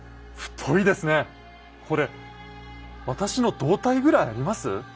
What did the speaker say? これ私の胴体ぐらいあります？